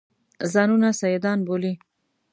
ځانونه سیدان بولي.